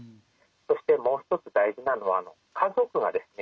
そしてもう一つ大事なのは家族がですね